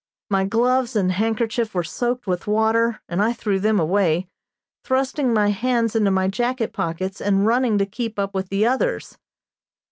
My gloves and handkerchief were soaked with water, and I threw them away, thrusting my hands into my jacket pockets and running to keep up with the others.